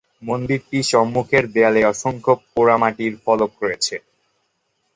মন্দিরটির সম্মুখের দেয়ালে অসংখ্য পোড়ামাটির ফলক রয়েছে।